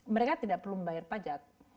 mereka tidak perlu membayar pajak